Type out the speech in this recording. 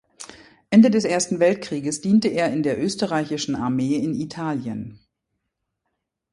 Ende des Ersten Weltkrieges diente er in der österreichischen Armee in Italien.